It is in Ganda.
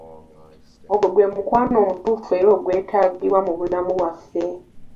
Ogwo gwe mukwano omutuufu era ogwetaagibwa mu bulamu bwaffe.